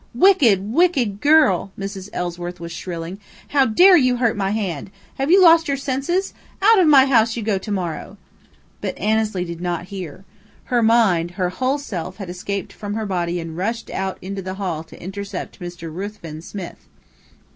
"Wicked, wicked girl!" Mrs. Ellsworth was shrilling. "How dare you hurt my hand? Have you lost your senses? Out of my house you go to morrow!" But Annesley did not hear. Her mind, her whole self, had escaped from her body and rushed out into the hall to intercept Mr. Ruthven Smith.